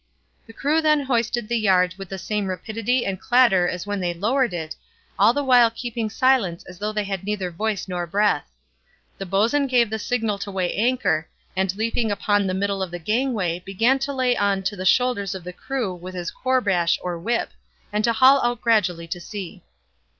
The crew then hoisted the yard with the same rapidity and clatter as when they lowered it, all the while keeping silence as though they had neither voice nor breath. The boatswain gave the signal to weigh anchor, and leaping upon the middle of the gangway began to lay on to the shoulders of the crew with his courbash or whip, and to haul out gradually to sea.